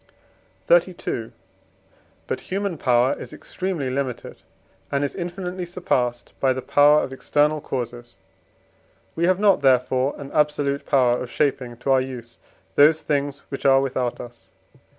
XXXII. But human power is extremely limited, and is infinitely surpassed by the power of external causes; we have not, therefore, an absolute power of shaping to our use those things which are without us.